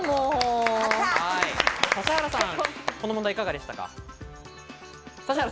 指原さん、この問題いかがでしたか？